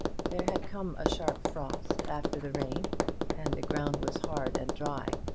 There had come a sharp frost after the rain, and the ground was hard and dry.